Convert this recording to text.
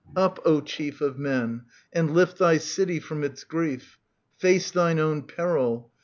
Up, O chief Of men, and lift thy city from its grief ; Face thine own peril